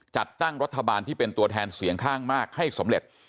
จัดตั้งรัฐบาลที่เป็นตัวแทนเสียงข้างมากให้สำเร็จ